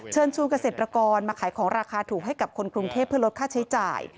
เชิญชวนเกษตรกรมาขายของราคาถูกให้กับคนกรุงเทพเพื่อลดค่าใช้จ่าย